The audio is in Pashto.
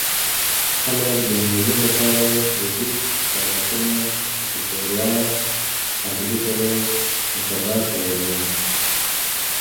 خلک د مېلو له پاره دودیز خوراکونه؛ لکه ښوروا، قابلي پلو، او کباب تیاروي.